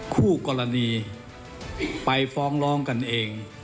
คู่กรณีไปฟ้องร้องกันเอง